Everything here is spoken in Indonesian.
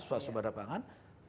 swastu pada pangan